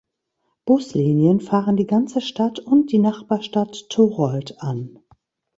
Buslinien fahren die ganze Stadt und die Nachbarstadt Thorold an.